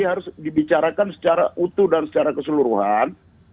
harus dibicarakan secara utuh dan secara keseluruhan